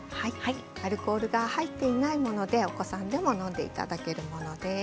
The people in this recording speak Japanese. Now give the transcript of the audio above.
アルコールが入っていないものでお子さんでも飲んでいただけるものです。